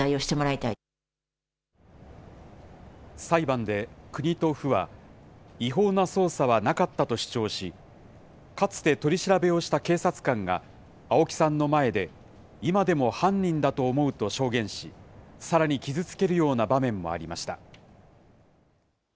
裁判で国と府は、違法な捜査はなかったと主張し、かつて取り調べをした警察官が青木さんの前で、今でも犯人だと思うと証言し、さらに傷つけるような場面もありました。